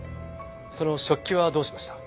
その食器はどうしました？